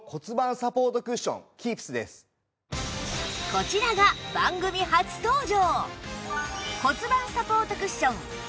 こちらが番組初登場